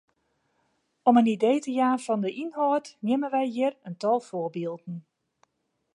Om in idee te jaan fan de ynhâld neame wy hjir in tal foarbylden.